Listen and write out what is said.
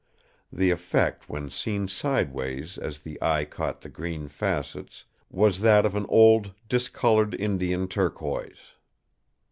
The effect when seen sideways as the eye caught the green facets, was that of an old, discoloured Indian turquoise.